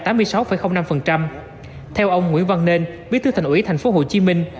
theo ông nguyễn văn nên bí thư thành ủy tp hcm